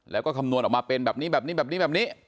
แล้วก็คำนวณออกมาเป็นแบบนี้แบบนี้แบบนี้แบบนี้แบบนี้